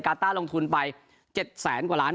กาต้าลงทุนไป๗๐๐๐๐๐บาท